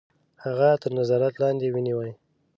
هغه تر نظارت لاندي ونیوی.